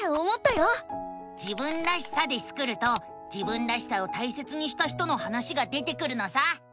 「自分らしさ」でスクると自分らしさを大切にした人の話が出てくるのさ！